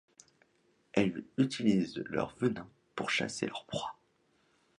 Elles utilisent leur venin pour chasser leurs proies.